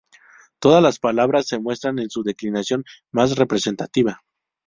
Todas las palabras se muestran en su declinación más representativa.